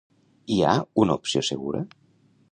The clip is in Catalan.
Hi ha una opció segura?